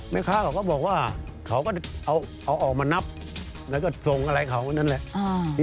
แม่ค้าเขาก็บอกว่าเขาก็เอาออกมานับแล้วก็ส่งอะไรเขานั่นแหละ